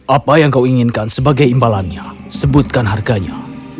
apa yang kau inginkan sebagai imbalannya sebutkan harganya